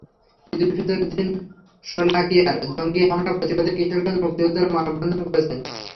ঈদুল ফিতরের দিন শোলাকিয়ায় জঙ্গি হামলার প্রতিবাদে কিশোরগঞ্জে মুক্তিযোদ্ধারা মানববন্ধন করেছেন।